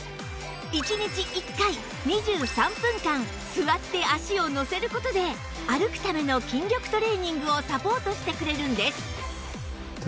座って脚をのせる事で歩くための筋力トレーニングをサポートしてくれるんです